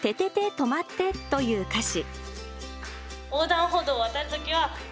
とまって！という歌詞。